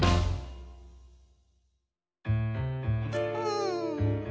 うん。